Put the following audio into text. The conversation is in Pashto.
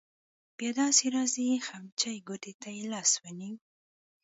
بیا داسې راځې خمچۍ ګوتې ته يې لاس ونیو.